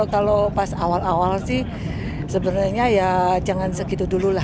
kalau pas awal awal sih sebenarnya ya jangan segitu dulu lah